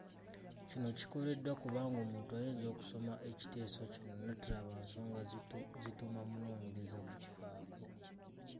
Kino kikolebwa kubanga omuntu ayinza okusoma ekiteeso kino n'atalaba nsonga zituma munoonyereza kukifaako.